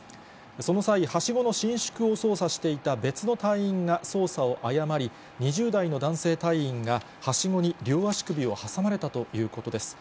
その際、はしごの伸縮を操作していた別の隊員が操作を誤り、２０代の男性隊員が、はしごに両足首を挟まれたということです。